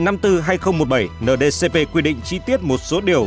ndcp quy định chi tiết một số điều